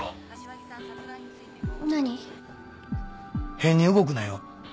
変に動くなよ。